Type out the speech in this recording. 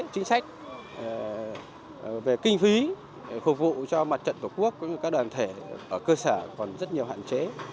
chính sách về kinh phí phục vụ cho mặt trận tổ quốc cũng như các đoàn thể ở cơ sở còn rất nhiều hạn chế